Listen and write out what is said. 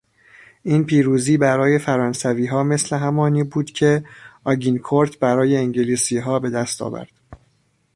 این پیروزی برای فرانسوی ها مثل همانی بود که آگینکورت برای انگلیسی ها به دست آورد.